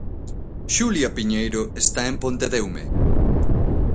Xulia Piñeiro está en Pontedeume.